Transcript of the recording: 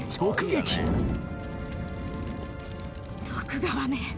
徳川め！